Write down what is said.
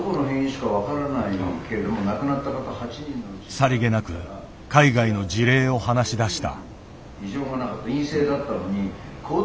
さりげなく海外の事例を話しだした。